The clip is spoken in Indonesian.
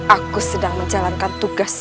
aku sedang menjalankan tugas